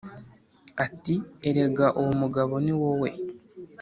ati “Erega uwo mugabo ni wowe!